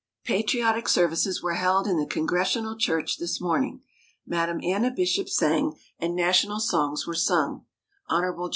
_ Patriotic services were held in the Congregational Church this morning. Madame Anna Bishop sang, and National songs were sung. Hon.